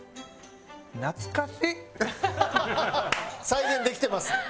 再現できてます？